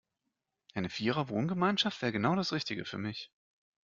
Eine Vierer-Wohngemeinschaft wäre genau das Richtige für mich.